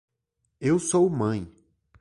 Eu sou mãe.